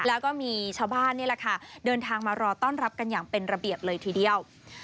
แล้วก็มีชาวบ้านนี่แหละค่ะเดินทางมารอต้อนรับกันอย่างเป็นระเบียบเลยทีเดียว